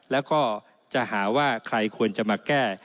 แล้วก็จะหาว่าใครควรจะมาแก้